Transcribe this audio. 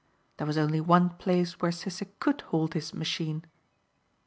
There was only one place where Sissek could halt his machine.